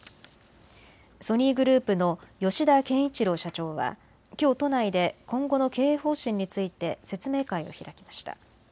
ソニーグループの吉田憲一郎社長はきょう都内で今後の経営方針について説明会を開きました。